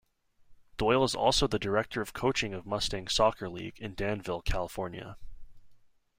Doyle is also the Director of Coaching of Mustang Soccer League, in Danville, California.